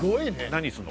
何するの？